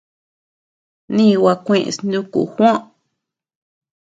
Nigua kueʼes nuku Juó.